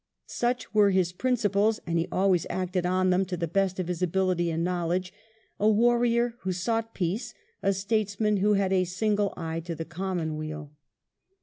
SUch were his principles, and he always acted on them to the best of his ability and knowledge — a warrior who sought peace, a statesman who had a single eye to the commonweal.